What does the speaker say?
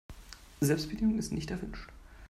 Selbstbedienung ist nicht erwünscht.